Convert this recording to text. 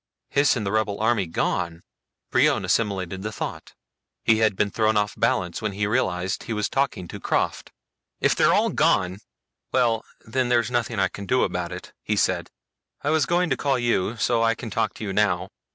Hys and the rebel army gone! Brion assimilated the thought. He had been thrown off balance when he realized he was talking to Krafft. "If they're gone well, then there's nothing I can do about it," he said. "I was going to call you, so I can talk to you now.